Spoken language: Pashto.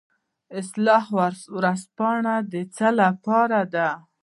اصلاح ورځپاڼه د څه لپاره ده؟